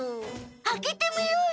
開けてみようよ！